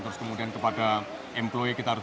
terus kemudian kepada employe kita harus